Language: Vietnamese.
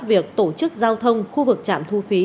việc tổ chức giao thông khu vực trạm thu phí